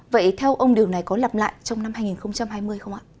vậy theo ông điều này có lặp lại trong năm hai nghìn hai mươi không ạ